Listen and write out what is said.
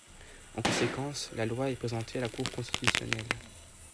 En conséquence, la loi est présentée à la Cour constitutionnelle.